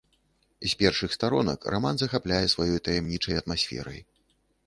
З першых старонак раман захапляе сваёй таямнічай атмасферай.